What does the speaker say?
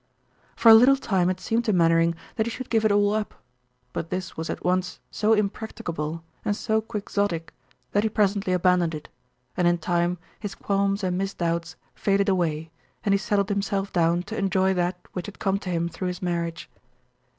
For a little time it seemed to Mainwaring that he should give it all up, but this was at once so impracticable and so quixotic that he presently abandoned it, and in time his qualms and misdoubts faded away and he settled himself down to enjoy that which had come to him through his marriage.